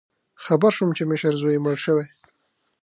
خبر شوم چې مشر زوی یې مړ شوی